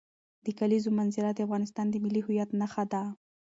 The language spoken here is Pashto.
د کلیزو منظره د افغانستان د ملي هویت نښه ده.